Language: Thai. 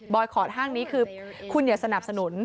คอร์ดห้างนี้คือคุณอย่าสนับสนุน